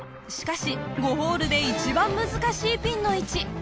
しかし５ホールでいちばん難しいピンの位置。